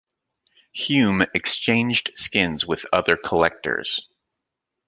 Hume exchanged skins with other collectors.